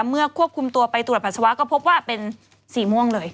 เมื่อควบคุมตัวไปตรวจปัสสาวะก็พบว่าเป็นสีม่วงเลย